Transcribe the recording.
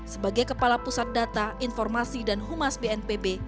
sebagai kepala pusat data informasi dan humas bnpb